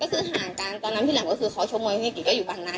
ก็คือห่างการตอนนั้นพี่แหลมก็คือขอโชคมือพี่เก๋ก็อยู่บางนา